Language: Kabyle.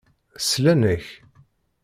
Slan-ak.